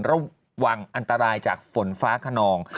ระวังอันตรายจากฝนฟ้าขนอง